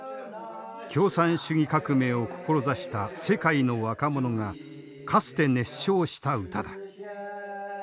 共産主義革命を志した世界の若者がかつて熱唱した歌だ。